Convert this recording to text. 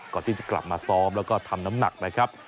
ก่อนที่จะกลับมาซ้อมแล้วก็ทำน้ำหนักนะครับ